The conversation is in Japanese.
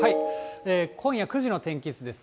今夜９時の天気図です。